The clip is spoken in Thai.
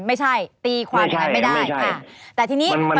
ไม่ใช่ตีความแบบนั้นไม่ได้